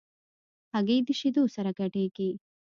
هګۍ د شیدو سره ګډېږي.